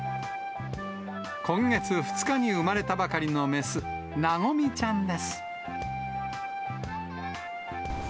今月２日に産まれたばかりの雌、和ちゃんです。